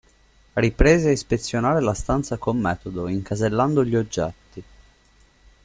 Riprese a ispezionare la stanza con metodo, incasellando gli oggetti.